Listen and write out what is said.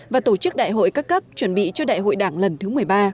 và tổ chức đại hội các cấp chuẩn bị cho đại hội đảng lần thứ một mươi ba